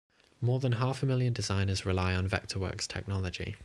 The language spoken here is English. More than half a million designers rely on Vectorworks technology.